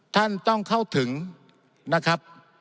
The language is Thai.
ท่านต้องเข้าถึงนะครับ